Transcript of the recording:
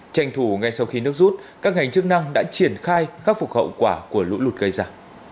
tranh thủ ngay sau khi nước rút các ngành chức năng đã triển khai khắc phục hậu quả của lũ lụt gây ra